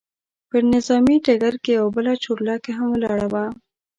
پر نظامي ډګر کې یوه بله چورلکه هم ولاړه وه.